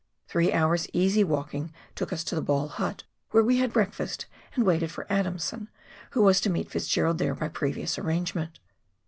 Three hours' easy walking took us to the Ball hut, where we had breakfast and waited for Adamson, who was to meet Fitzgerald there by previous arrangement.